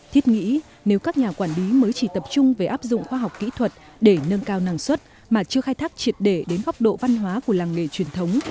thiết nghĩ nếu các nhà quản lý mới chỉ tập trung về áp dụng khoa học kỹ thuật để nâng cao năng suất mà chưa khai thác triệt để đến góc độ văn hóa của làng nghề truyền thống